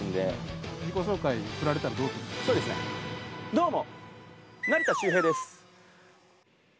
「どうも」